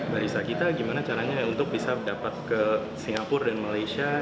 barista kita gimana caranya untuk bisa dapat ke singapura dan malaysia